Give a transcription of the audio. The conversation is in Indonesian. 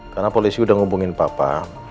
karena polisi udah ngubungin papa